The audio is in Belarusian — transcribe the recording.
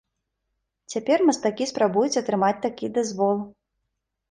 Цяпер мастакі спрабуюць атрымаць такі дазвол.